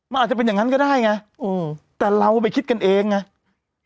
มันอาจจะเป็นอย่างนั้นก็ได้ไงอืมแต่เราไปคิดกันเองไง